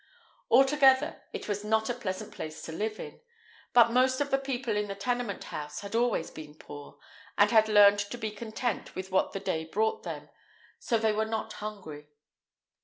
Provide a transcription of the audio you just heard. Altogether, it was not a pleasant place to live in; but most of the people in the tenement house had always been poor, and had learned to be content with what the day brought them, so they were not hungry.